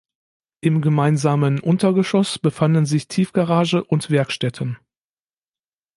Im gemeinsamen Untergeschoss befanden sich Tiefgarage und Werkstätten.